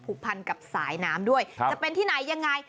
พันกับสายน้ำด้วยจะเป็นที่ไหนยังไง